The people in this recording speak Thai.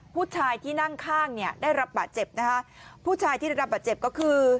ผู้ชายที่นั่งข้างเนี่ยได้รับบาดเจ็บนะคะผู้ชายที่ได้รับบาดเจ็บก็คือ